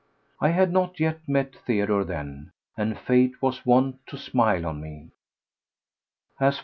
I had not yet met Theodore then, and fate was wont to smile on me. As for M.